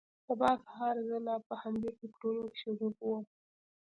سبا سهار زه لا په همدې فکرونو کښې ډوب وم.